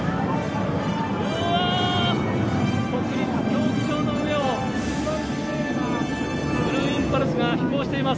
うわー、国立競技場の上を、ブルーインパルスが飛行しています。